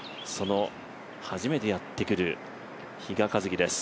初めてやってくる比嘉一貴です。